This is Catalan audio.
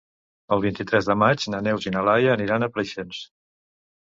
El vint-i-tres de maig na Neus i na Laia aniran a Preixens.